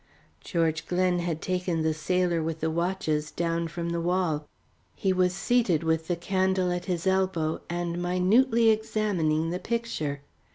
George Glen had taken the sailor with the watches, down from the wall. He was seated with the candle at his elbow, and minutely examining the picture.